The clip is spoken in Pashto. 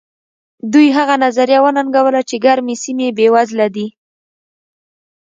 دوی هغه نظریه وننګوله چې ګرمې سیمې بېوزله دي.